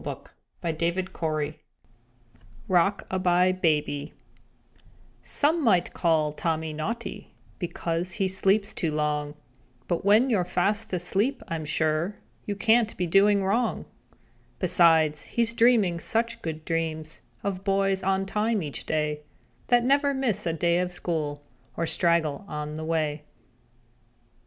_ ROCK A BYE BABY Some might call Tommy naughty Because he sleeps too long, But when you're fast asleep, I'm sure You can't be doing wrong. Besides he's dreaming such good dreams Of boys on time each day, That never miss a day at school Or straggle on the way.